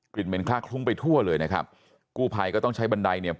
กลิ่นเม้นทรักทุ้งไปทั่วเลยนะครับกูภัยก็ต้องใช้บันไดเนี่ย